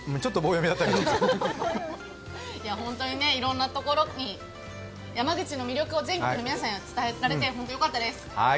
本当にいろんなところに山口の魅力を全国の皆さんに伝えられて本当によかったです。